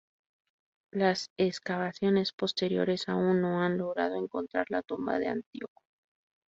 Las excavaciones posteriores aún no han logrado encontrar la tumba de Antíoco.